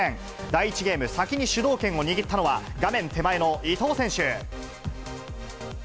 第１ゲーム、先に主導権を握ったのは、画面手前の伊藤選手。